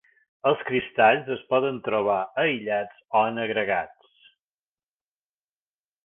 Els cristalls es poden trobar aïllats o en agregats.